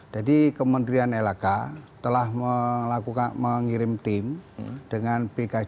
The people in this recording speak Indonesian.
jadi kementerian lhk telah mengirim tim dengan pkjh